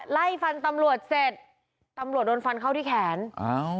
ไล่ฟันตำรวจเสร็จตำรวจโดนฟันเข้าที่แขนอ้าว